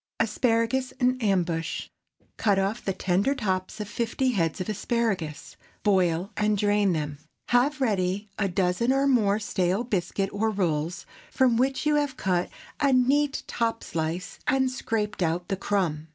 ASPARAGUS IN AMBUSH. ✠ Cut off the tender tops of fifty heads of asparagus; boil and drain them. Have ready half a dozen (or more) stale biscuit or rolls, from which you have cut a neat top slice and scraped out the crumb.